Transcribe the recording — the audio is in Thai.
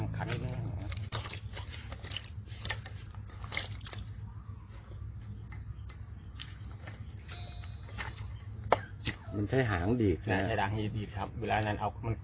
มันใช้หางดีดนะใช้หางดีดครับเวลานั้นเอามัน